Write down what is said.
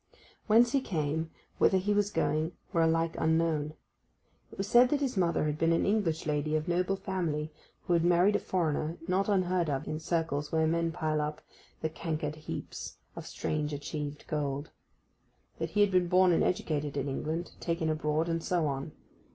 Whence he came, whither he was going, were alike unknown. It was said that his mother had been an English lady of noble family who had married a foreigner not unheard of in circles where men pile up 'the cankered heaps of strange achieved gold'—that he had been born and educated in England, taken abroad, and so on.